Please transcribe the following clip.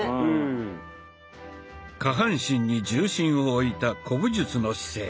下半身に重心を置いた古武術の姿勢。